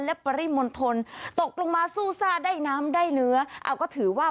และปริมณฑลตกลงมาสู้ซ่าได้น้ำได้เนื้อเอาก็ถือว่า